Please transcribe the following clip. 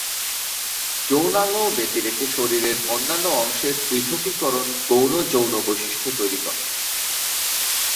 যৌনাঙ্গ ব্যতিরেকে শরীরের অন্যান্য অংশের পৃথকীকরণ গৌণ যৌন বৈশিষ্ট্য তৈরি করে।